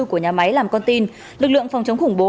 của nhà máy làm con tin lực lượng phòng chống khủng bố